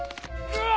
うわ！